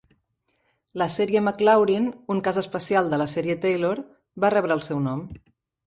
La sèrie Maclaurin, un cas especial de la sèrie Taylor, va rebre el seu nom.